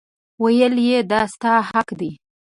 ویل یې دا ستا حق دی.